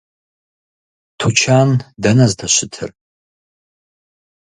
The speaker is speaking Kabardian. Тучан дэнэ здэщытыр?